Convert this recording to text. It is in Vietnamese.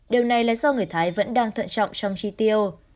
điều này là do người thái vẫn đang thận trọng trong chi tiêu